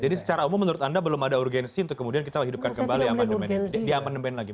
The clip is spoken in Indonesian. secara umum menurut anda belum ada urgensi untuk kemudian kita hidupkan kembali di amandemen lagi